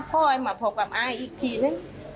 คอยมาเป่ากับอาอีกทีเลอะ